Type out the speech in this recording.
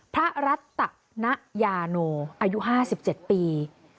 พระรัตนยาโนอายุ๕๗ปี